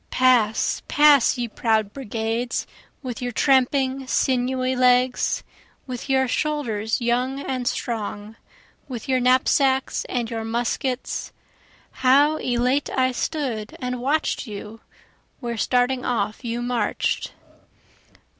(Pass, pass, ye proud brigades, with your tramping sinewy legs, With your shoulders young and strong, with your knapsacks and your muskets; How elate I stood and watch'd you, where starting off you march'd.